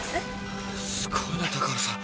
すごいな高原さん。